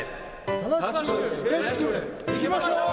楽しくうれしくいきましょう。